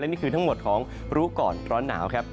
นี่คือทั้งหมดของรู้ก่อนร้อนหนาวครับ